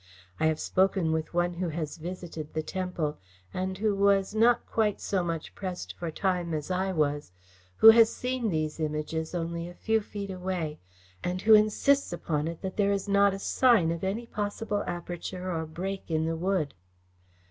I have spoken with one who has visited the temple, and who was not quite so much pressed for time as I was, who has seen these Images only a few feet away, and who insists upon it that there is not a sign of any possible aperture or any break in the wood."